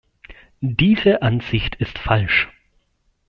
Diese Ansicht ist falsch.